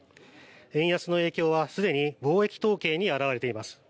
円安の影響は、すでに貿易統計に表れています。